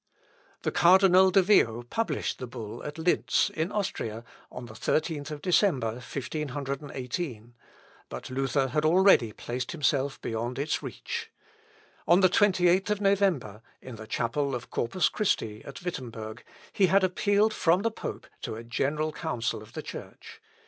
The Cardinal de Vio published the bull at Lintz, in Austria, on the 13th December, 1518, but Luther had already placed himself beyond its reach. On the 28th November, in the chapel of Corpus Christi at Wittemberg, he had appealed from the pope to a general council of the Church.